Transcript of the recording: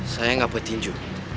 saya gak mau tinju